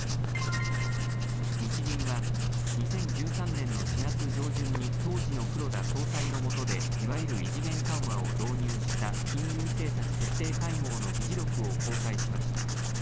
日銀は２０１３年の４月上旬に当時の黒田総裁のもとでいわゆる異次元緩和を導入した金融政策決定会合の議事録を公開しました。